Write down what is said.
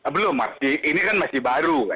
belum ini kan masih baru